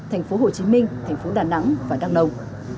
tp hồ chí minh tp đà nẵng và đắk lồng